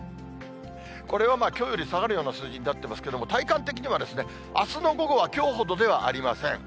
これはまあ、きょうより下がるような数字になってますけれども、体感的にはあすの午後はきょうほどではありません。